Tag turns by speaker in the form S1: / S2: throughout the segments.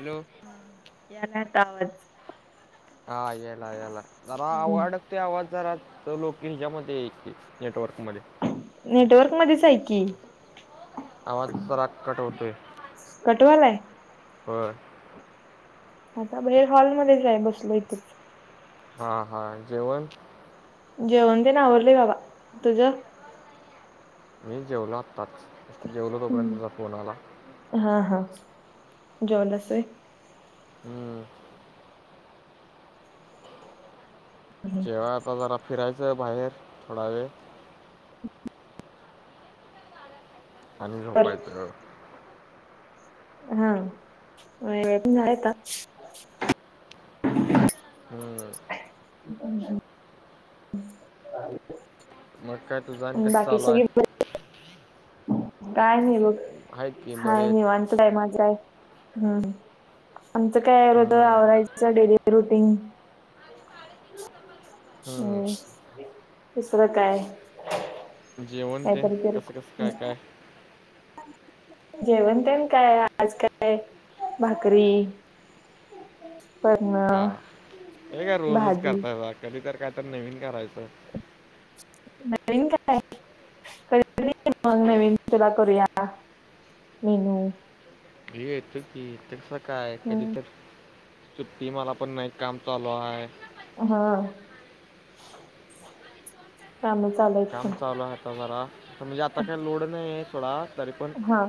S1: Hello.
S2: हा यायला का आवाज?
S1: हां याला याला, जरा
S2: हम्म
S1: आवड ते आवाज जरा लोकं हेच्यामध्ये ये नेटवर्कमध्ये.
S2: नेटवर्क मध्येच हाय की.
S1: आवाज जरा कट होतोय,
S2: कटवालाय.
S1: [unintelligible] होय.
S2: आता बई हॉलमध्येजाय बसले इथंच.
S1: हां हां जेवण.
S2: जेवण तेन आवरलय बाबा तुझ?
S1: मी जेवलो आत्ताच जेवलो तोपर्यंत तुझा फोन आला.
S2: हां हां जेवलास होय.
S1: हम्म. तेव्हा आता जरा फिरायच बाहेर थोडा वेळ आणि झोपायच.
S2: हां [inaudible]
S1: हं
S2: [inaudible]
S1: मग काय तुझं आणि कसं
S2: बाकी
S1: चालू
S2: सगळे
S1: आहे
S2: बरेत काय नाही बघ.
S1: आहेत की बरे
S2: हाय
S1: आहेत
S2: निवांत आहे मजा आहे, हम्म आमच काय रोजच
S1: हम्म,
S2: आवरायच डेली रुटींग. हम्म दुसर काय?
S1: जेवण ते
S2: काहीतरी करेल
S1: कसं कसं काय काय
S2: जेवणतेण काय आज काय भाकरी. करणार
S1: हे काय रोज रोज करताय कधी तर काय तर नवीन करायच.
S2: नवीन काय कधी [unintelligible] नवीन तुला करूया मेनू.
S1: भ येतो की तस काय कधी
S2: हम्म.
S1: तरी सुट्टी मला पण नाही काम चालू हाय.
S2: हां काम चालू आहेत
S1: काम चालू आहे आता जरा म्हणजे आता काही लोड नाही आहे सोडा तरी पण
S2: हां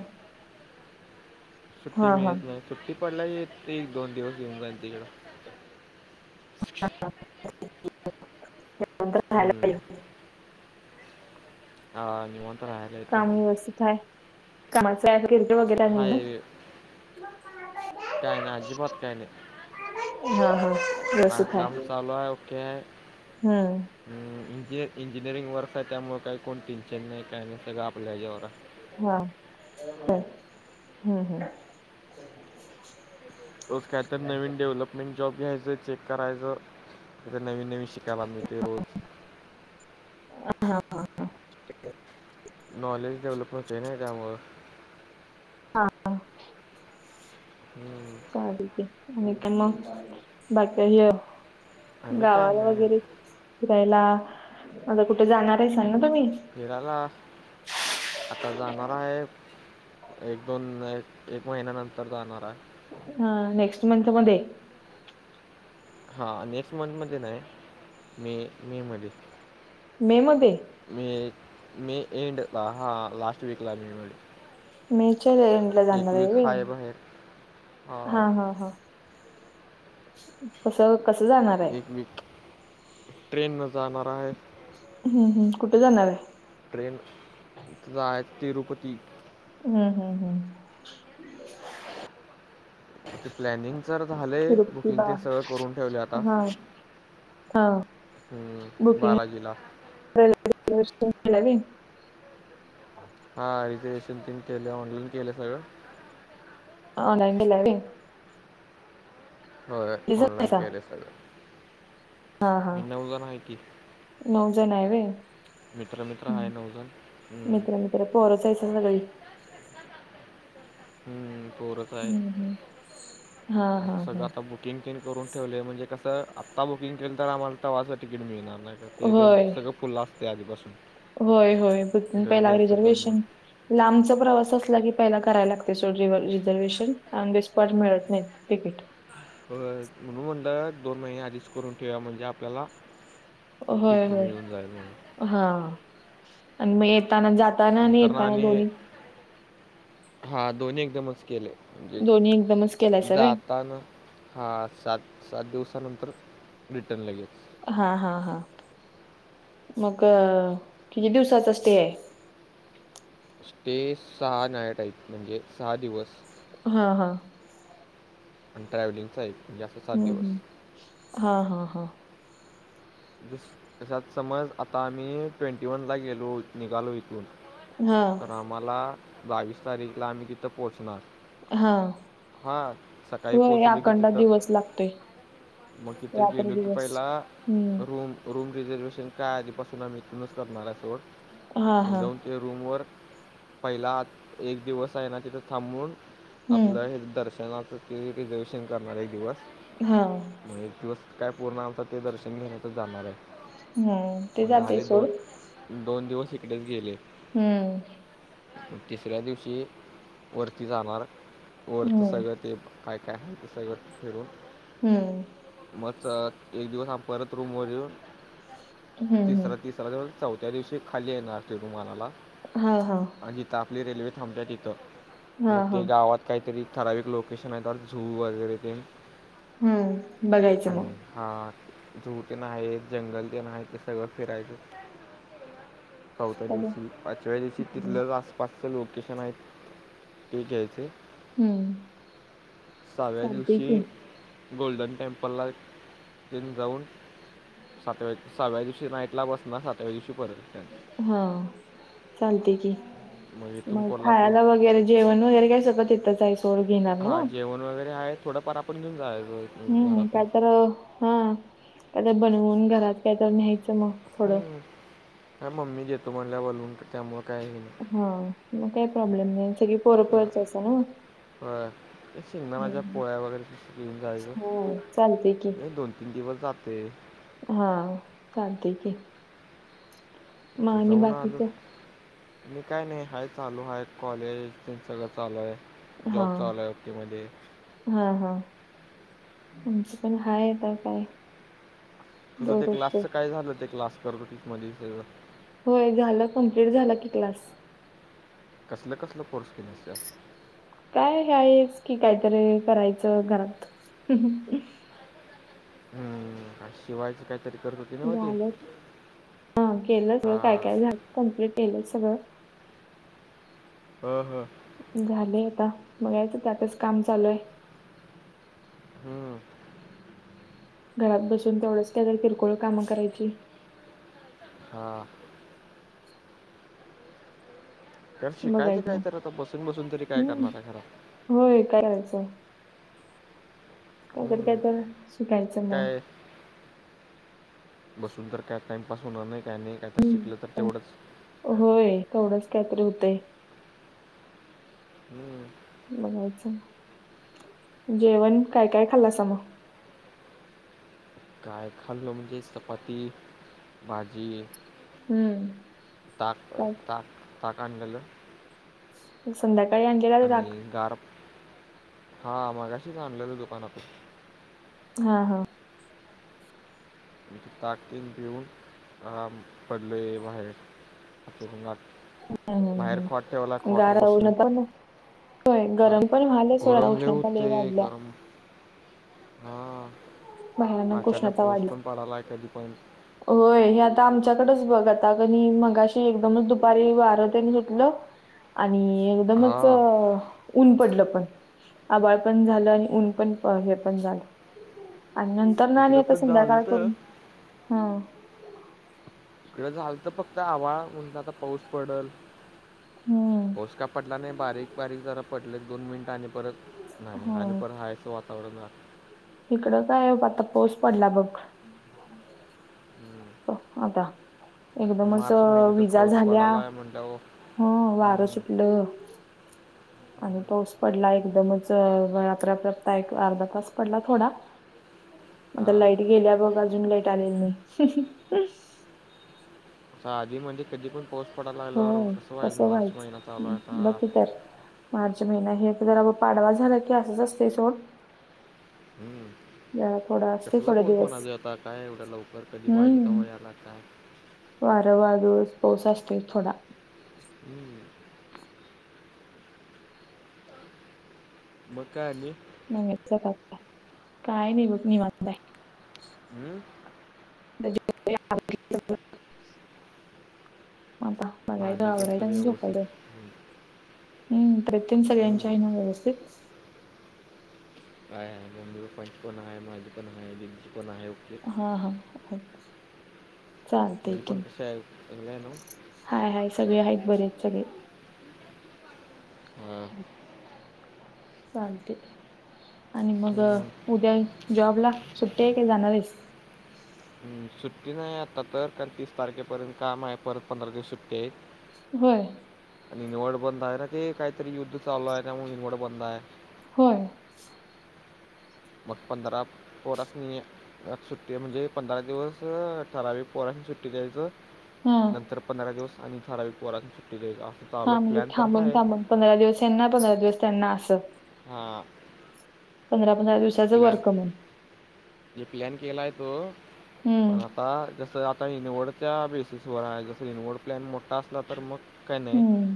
S1: सुट्टी
S2: हा
S1: मिळत नाही सुट्टी पडल्यावर येईल एक- दोन दिवस येऊन जाईल तिकड.
S2: [inaudible] राहायला
S1: हम्म
S2: येऊ.
S1: हा निवांत. राहायला येतो
S2: काम
S1: की
S2: व्यवस्थित आहे कामाचा ॲग्री वगैर नाही ना.
S1: हाय
S2: [inaudible]
S1: काय नाही, अजिबात काय नाही.
S2: हां हां
S1: नाही काम चालू आहे, ओके आहे.
S2: हम्म
S1: म्हणजे इंजिनिअरिंग वर्क आहे त्यामुळ काही कोण टेन्शन नाही काय नाही सगळ आपल्या ह्याच्यावर आहे.
S2: हां हम्म हम्म
S1: रोज काय तर नवीन डेव्हलप [unintelligible] जॉब घ्यायच चेक करायच तिथे नवीन नवीन शिकायला मिळत रोज.
S2: हां हां
S1: नॉलेज डेव्हलप होतय ना त्यामुळ.
S2: हां हां
S1: हं.
S2: काढिते. आणि काय मग बाकीय
S1: आम्ही काय
S2: गावाला
S1: नाही
S2: वगैरे फिरायला, आता कुठ जाणार हायसा ना तुम्ही?
S1: फिरायला, आता जाणारा आहे एक -दोन, एक एक महिन्यानंतर जाणार आहे.
S2: हा नेक्स्ट मंथ मध्ये?
S1: हा नेक्स्ट मंथमध्ये नाही मे मे मधे.
S2: मे मध्ये,
S1: मे, मे एंडला हा लास्ट वीकला [unintelligible]
S2: मे च्या एंड ला
S1: एक
S2: जाणार आहे
S1: वीक
S2: व्हय,
S1: बाहेर
S2: हा
S1: हां
S2: हा हा. [unintelligible] कस कसं जाणार? आहे
S1: एक वीक ट्रेन न जाणार हाय.
S2: हम हम, कुठ जाणार हाय?
S1: ट्रेन जायचं तिरुपती.
S2: हम्म हम्म हम्
S1: ते प्लॅनिंग जर झालंय
S2: तिरुपती
S1: बुकिंग
S2: बा
S1: तेन सगळं करून ठेवलय आता
S2: हा हा
S1: हम बालाजीला,
S2: रेल्वे [unintelligible]
S1: हा रिजर्वेशन तेन केले ऑनलाईन केलं सगळं,
S2: ऑनलाईन केलाय होय?
S1: होय
S2: जण
S1: ऑनलाईन
S2: आहेसा
S1: केलय सगळं
S2: हा हा
S1: नऊ जण हाय की,
S2: नऊ जण आहे होय
S1: मित्र मित्र आहे
S2: हम
S1: नऊ जण हम्म,
S2: मित्र मित्र. म्हणजे पोरच हाईसा सगळी?
S1: हम पोरच हाय
S2: हम्म हम्म हा हा
S1: सगळं
S2: हा
S1: आता बुकिंग तेन करून ठेवलय म्हणजे कसं आत्ता बुकिंग केलंल तर आम्हाला तवाचं तिकीट मिळणार नाय. त्या ते दोन
S2: होय
S1: सगळं फुल्ल असतय आधीपासून,
S2: होय होय बुकिंग पहिला
S1: गर्दी असते त्यामुळे
S2: रिझर्वेशन लांबचा प्रवास असला की पहिला करायला लागतय सोड रिझर्वे्शन ऑन द स्पॉट मिळत नाहीत. तिकीट.
S1: होय म्हणून म्हणल दोन महिने आधीच करून ठेऊया म्हणजे आपल्याला
S2: होय
S1: तिकीट
S2: होय
S1: मिळून जाईल म्हणून
S2: हा आणि मग येताना जात
S1: नंतरन आणि हा दोन्ही एकदमच केलय. म्हणजे
S2: दोन्ही एकदमच केलायसा व्हय?
S1: जातना हा सात सात दिवसानंतर रिटर्न लगेच.
S2: हा हा हा मग किती दिवसाचा स्टे आहे?
S1: स्टे सहा नाईट आहेत म्हणजे सहा दिवस.
S2: हा हा
S1: आणि ट्रॅव्हलिंगचा एक. म्हणजे असं सात
S2: हम्म
S1: दिवस
S2: हम् हा हा हा.
S1: स तस समज आता आम्ही ट्वेंटी वनला गेलो निघालो इथून
S2: हा
S1: तर आम्हाला बावीस तारीखला आम्ही तिथं पोहोचणार.
S2: हा
S1: हा सकाळी
S2: होय
S1: पोहोचलो की
S2: अखंड
S1: तिथं
S2: दिवस लागतोय
S1: मग तिथं
S2: रात्र
S1: गेलो की
S2: दिवस
S1: पहिला
S2: हम्म
S1: रूम रूम रिझर्वेशन काय आधीपासून आम्ही इथूनच करणार हाय
S2: हा
S1: सोड म
S2: हा
S1: जाऊन रूमवर पहिला एक दिवस आहे ना तिथं थांबून
S2: हम्म
S1: आपलं हे दर्शनाच तेन रिझर्वेशन करणार एक दिवस.
S2: हा,
S1: मग एक दिवस काय पूर्ण आमचा ते दर्शन घेण्याच जाणार आहे.
S2: हम, ते
S1: मग
S2: जातय
S1: झाले
S2: सोड.
S1: दोन दोन दिवस इकडेच गेले.
S2: हम्म.
S1: तिसऱ्या दिवशी वरती जाणार. वरच ते
S2: हम्म
S1: सगळं ते काय काय आहे ते सगळं फीरून.
S2: हम्म
S1: मग च एक दिवस आ परत रूम वर येऊन
S2: हम्म हम्म
S1: तिसरा तिस. परत चौथ्या दिवशी खाली येणार तिरिमाला ला.
S2: हा हा,
S1: आणि ता आपली रेल्वे थांबते तिथं
S2: हा
S1: मग
S2: हा
S1: ते गावात. काहीतरी ठराविक लोकेशन आहे, झू वगैरे तेन.
S2: हम्म, बघायचं मग.
S1: हा, झू तेन आहे, जंगल तेन आहे ते सगळं फिरायचं. चौथ्या
S2: बघू
S1: दिवशी, पाचव्या दिवशी
S2: हम्म
S1: तिथलंच आसपास. ते लोकेशन आहे ते घ्यायचे.
S2: हम्म
S1: सहाव्या
S2: चालते की
S1: दिवशी. गोल्डन टेम्पलला तिथं जाऊन.
S2: [inaudible]
S1: सातव्या सहाव्या दिवशी नाईटला बसना सातव्या दिवशी परत त्या.
S2: हा, चालते की,
S1: इथून
S2: मग
S1: कोल्हापूर
S2: खायला वगैरे. जेवण वगैरे काय सगळं तिथेच आहे. सोड घेणार ना
S1: हा,
S2: मग
S1: जेवण वगैरे आहे थोडंफार आपण घेऊन जायलोय.
S2: हम्म, काय तर हा, नाहीतर बनवून घरात कायतरी न्यायचं मग. थोडं
S1: हम्म, काय मम्मी देतो म्हणल्या बनवून त्यामुळे काय हे नाही.
S2: हा, मग काय प्रॉब्लेम नाही सगळी पोरं पोर च हायसा नवा.
S1: हो, शेंगदाण्याच्या पोळ्या वगैरेन घेऊन जायचं
S2: हो चालते की
S1: हे दोन. दिवस जातेय.
S2: हा चालते की, मग आणि
S1: जाऊन आलो.
S2: बाकीचं
S1: आणि काय नाही, हाय चालू हाय कॉलेज ते सगळं चालू आहे.
S2: हा
S1: जॉबचा आलाय ओकेमध्ये.
S2: हा हा, आमचं पण हाय आता काय.
S1: तुझं ते
S2: दररोजचं
S1: क्लासचं काय झालं ते क्लास करत होतीस मध्ये सगळं.
S2: होय झालं कम्प्लीट झाला की, क्लास.
S1: असलं कसलं कोर्स केलास?
S2: काय हायच की, काहीतरी करायचं घरात.
S1: हम्म, शिवायचं काहीतरी करत होती ना मग ती
S2: झालं हा, केलं काय
S1: हां
S2: काय झालं कम्प्लीट केलं सगळं.
S1: ह ह,
S2: झाले आता बघायचं त्यातच काम चालू आहे.
S1: हम,
S2: घरात बसून तेवढंच त्यात किरकोळ कामं करायची.
S1: हा. तर शिकायचं
S2: बघायची
S1: काय
S2: मग
S1: तर, आता बसून बसून तरी काय
S2: हम्म
S1: करणारा घरात.
S2: होय करायचं. [unintelligible] काय
S1: हम्म,
S2: तर शिकायचं मग
S1: काय बसून तर काय टाईमपास होणार नाही, काय नाही काहीतर
S2: हम्म
S1: शिकलं तर तेवढंच
S2: होय, तेवढंच कायतरी होतंय.
S1: हम्म.
S2: बघायचं, जेवण काय काय खाल्लासा मग?
S1: काय खाल्लो म्हणजे, चपाती, भाजी
S2: हम्म.
S1: ताक
S2: काय-
S1: ताक ताक आणलेलं
S2: संध्याकाळी आण
S1: आणि गार, हा मगाशीच आणलेलं दुकानातून
S2: हा हा.
S1: ताकं पिऊन पडलोयं बाहेर. [unintelligible]
S2: हम्म हम्म
S1: बाहेर खॉट ठेवलाय
S2: हम्म
S1: खॉटवर
S2: गार
S1: बसलोय.
S2: नव्हता होय
S1: व्हयं,
S2: गरम पण व्हायला सोडा
S1: गरम लयं
S2: उष्णता लय
S1: होतयं,
S2: वाढल्या
S1: गरम हा
S2: भयानक
S1: अचानक
S2: उष्णता
S1: पाऊस
S2: वाढली
S1: पण पडालाय आहे. कधी पण
S2: होय हे आता आमच्याकडेच बघ आता कणी मगाशी एकदमच दुपारी वारंतेन सुटलं. आणि एकदमच
S1: हां,
S2: ऊन पडलं पण आबाळ पण झालं आणि ऊन पण हे पण झालं. आणि नंतर ना आणि
S1: इकडं
S2: आता
S1: पण
S2: संध्याकाळ
S1: झालतं.
S2: करून, हं.
S1: तं झाल तर फक्त आभाळ म्हणलं आता पाऊस पडल
S2: हम्म
S1: पाऊस का पडला नाही बारीक-बारीक जरा पडला एक दोन मिनट आणि परत नाही आणि
S2: हो
S1: परत हायस वा आवडणार.
S2: इकडं काय आता पावस पडला बघं. ह [inaudible]
S1: हम्म..
S2: आता एकदमच
S1: महिन्यातच
S2: विजा
S1: पाऊस
S2: झाल्या.
S1: पडायलाय म्हटल्यावर
S2: हा वारं
S1: हं,
S2: सुटलं. आणि पाऊस पडला एकदमच रापराप एक अर्धा तास पडला थोडा आता
S1: हां.
S2: लाईट गेल्या बघं अजून लाईट आलेली नाही.
S1: आधी मधी कधी पण पाऊस पडायला लागलावर
S2: होय
S1: कसं मार्च महिनाया
S2: व्हायचं
S1: चालूय आता
S2: बघ की तर मार्च महिना हे जरा पाडवा झाला की असंच असतेय सोड.
S1: हम्.
S2: जरा थोडा असते
S1: कसला
S2: थोडे
S1: पाऊस
S2: दिवस
S1: म्हणायचं आता काय एवढं लवकर कधी पाहिजे तवा याला काय
S2: वार वादुळचा पाऊस असतोय थोडा
S1: हम्म. मग काय आणी
S2: नेहमीचा ताप आहे. काय नाही बघ निवांत आहे.
S1: हम्म?
S2: [unintelligible] आता. बघायचं
S1: भांडी ते
S2: आवरायचं
S1: सगळे
S2: आणि
S1: व्यवस्थित
S2: झोपायचं.
S1: हम्म.
S2: हम्म, तबेत तेन सगळ्यांच्या
S1: हम्म.
S2: आहे ना व्यवस्थित
S1: आहे-आहे मम्मी पप्पांची पण आहे, माझी पण आहे दीदीची पण आहे. ओके
S2: हा हा.. चालतयं
S1: तुझी
S2: की
S1: पण कशी आहे चांगलं आहे ना
S2: हाय हाय सगळे आहेत बरे सगळे
S1: हा.
S2: चालतंय आणि मग
S1: हम्म.
S2: उद्या जॉबला सुट्टी आहे का जाणार हाईस?
S1: हं सुट्टी नाही आता तर, कारण तीस तारखेपर्यंत काम आहे, परत पंधरा दिवस सुट्टी आहे.
S2: व्हयं.
S1: निवड बंद आहे ना, ते काहीतरी युद्ध चालूयं त्यामुळं निवड बंद आहे.
S2: होय.
S1: मग पंधरा पोरास्नी सुट्टी आहे म्हणजे पंधरा दिवस ठराविक पोरास्नी सुट्टी द्यायचं,
S2: हा
S1: नंतर पंधरा दिवस आणि ठराविक पोरास्नी सुट्टी द्ययाचं असं
S2: हां
S1: चालू
S2: म्हणजे
S1: प्लॅन तर आहे.
S2: थांबून-थांबून पंधरा दिवस ह्यांना, पंधरा दिवस त्यांना असं.
S1: हा.
S2: पंधरा-पंधरा दिवसाचं वर्क म्हण.
S1: मी प्लॅन केलाय तो
S2: ह...
S1: आ जसं आता हे निवडच्या बेसिसवर आहे, जसं निवड प्लॅन मोठा असला तर मग काय नाही,
S2: हम्म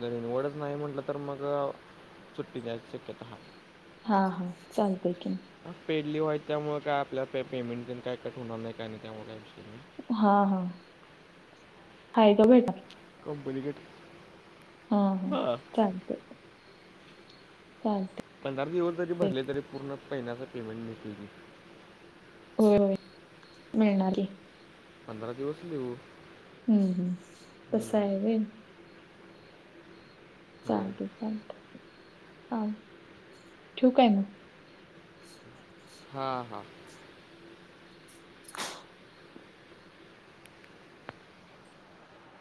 S1: जर निवडच नाही म्हटलं तर मग सुट्टी द्यायची शक्यता आहे.
S2: हा, हा.. चालतंय की.
S1: अं पेड लीव्ह आहेत, त्यामुळे काय आपल्याला प पेमेंट तेन काय कट होणार नाही, काय नाही, त्यामुळं काय विषय नाही.
S2: हा, हा.. हाय का बेटा
S1: कंपनीकडं
S2: हा, हा. चालतंय. चालतंय.
S1: पंधरा दिवस जरी भरले तरी, पूर्ण महिन्याचा पेमेंट मिळतंयकी.
S2: होय.. मिळणार की.
S1: पंधरा दिवस लिव.
S2: हं.. हूं तसं हाय वय.
S1: होय
S2: चालतंय, चालतंय हा ठेवु काय मग?
S1: हा, हा.,...